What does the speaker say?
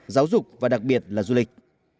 giáo dục và đặc biệt là du lịch